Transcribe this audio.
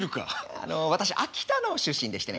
あの私秋田の出身でしてね。